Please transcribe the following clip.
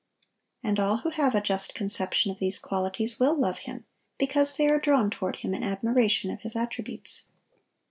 And all who have a just conception of these qualities will love Him because they are drawn toward Him in admiration of His attributes.